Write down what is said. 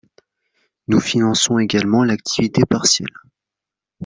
Nous finançons également l’activité partielle.